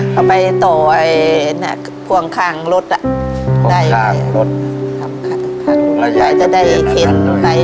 ทับผลไม้เยอะเห็นยายบ่นบอกว่าเป็นยังไงครับ